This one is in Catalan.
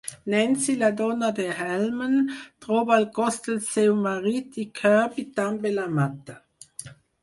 Nancy, la dona de Halman, troba el cos del seu marit i Kirby també la mata.